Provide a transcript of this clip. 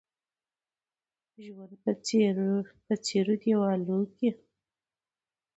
ژوند په څيرو دېوالو کې